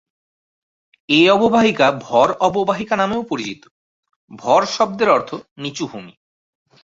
এ অববাহিকা ভর অববাহিকা নামেও পরিচিত; ‘ভর’ শব্দের অর্থ নিচু ভূমি।